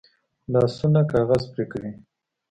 لاسونه کاغذ پرې کوي